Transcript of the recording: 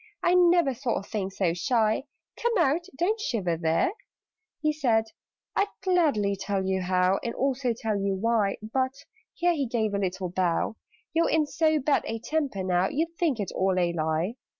I never saw a thing so shy. Come out! Don't shiver there!" He said "I'd gladly tell you how, And also tell you why; But" (here he gave a little bow) "You're in so bad a temper now, You'd think it all a lie.